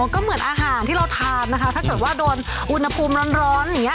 ก็เหมือนอาหารที่เราทานนะคะถ้าเกิดว่าโดนอุณหภูมิร้อนอย่างนี้